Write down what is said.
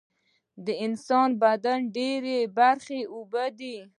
د انسان بدن ډیره برخه اوبه دي